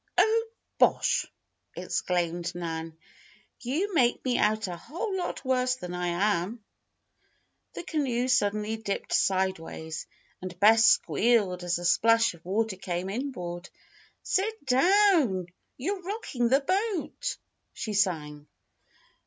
"Oh, bosh!" exclaimed Nan. "You make me out a whole lot worse than I am." The canoe suddenly dipped sideways and Bess squealed as a splash of water came inboard. "Sit down! you're rocking the boat!" she sang.